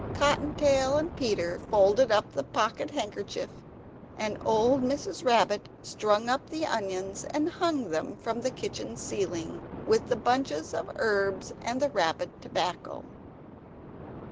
Cotton tail and Peter folded up the pocket handkerchief, and old Mrs. Rabbit strung up the onions and hung them from the kitchen ceiling, with the bunches of herbs and the rabbit tobacco.